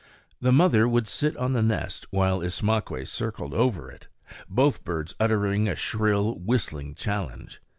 The mother would sit on the nest while Ismaques circled over it, both birds uttering a shrill, whistling challenge.